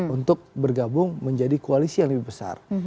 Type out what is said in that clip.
untuk bergabung menjadi koalisi yang lebih besar